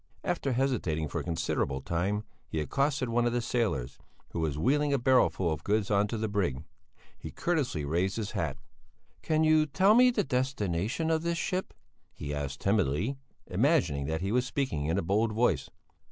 After hesitating for a considerable time, he accosted one of the sailors, who was wheeling a barrow full of goods on to a brig. He courteously raised his hat. "Can you tell me the destination of this ship?" he asked timidly, imagining that he was speaking in a bold voice.